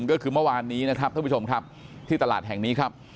ก็คือเมื่อวานนี้ที่ตลาดแห่งนี้ครับ